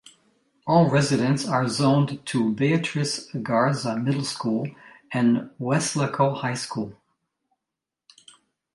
All residents are zoned to Beatriz Garza Middle School, and Weslaco High School.